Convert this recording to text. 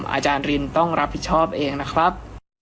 อาจารย์รินต้องรับผิดชอบเองนะครับ